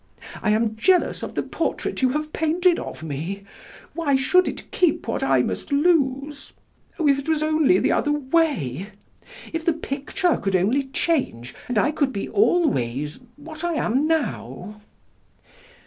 I am jealous of the portrait you have painted of me. Why should it keep what I must lose?... Oh, if it was only the other way! If the picture could only change, and I could be always what I am now!"